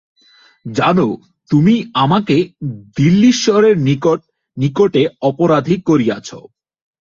জানো তুমি আমাকে দিল্লীশ্বরের নিকটে অপরাধী করিয়াছ!